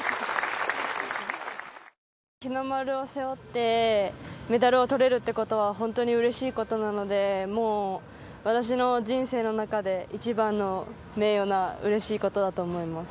日の丸を背負ってメダルを取れるっていうことは本当にうれしいことなので、私の人生の中で、一番の名誉なうれしいことだと思います。